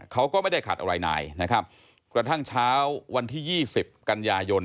เขาก็ไม่ได้ขัดอะไรนายนะครับกระทั่งเช้าวันที่ยี่สิบกันยายน